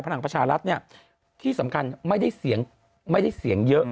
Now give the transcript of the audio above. พลังประชารัฐเนี่ยที่สำคัญไม่ได้เสียงเยอะ